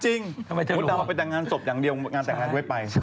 มุดดำไปแต่งงานศพอย่างเดียวงานแต่งงานด้วยไป